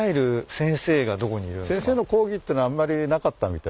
先生の講義っていうのはあんまりなかったみたいですね。